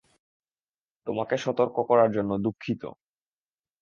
তোমাকে সতর্ক করার জন্য দুঃখিত।